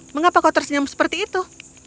mengapa kau tersenyum seperti itu